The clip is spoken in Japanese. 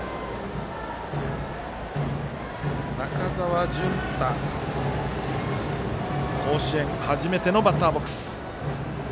中澤惇太、甲子園初めてのバッターボックス。